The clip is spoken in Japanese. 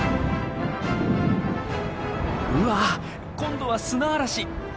うわっ今度は砂嵐。